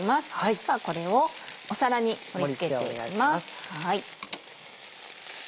ではこれを皿に盛り付けていきます。